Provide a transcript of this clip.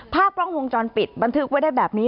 ภาพกล้องวงจรปิดบันทึกไว้ได้แบบนี้